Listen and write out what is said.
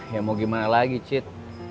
ya mau gimana lagi cit